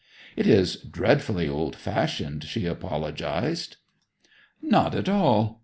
'It is dreadfully old fashioned,' she apologized. 'Not at all.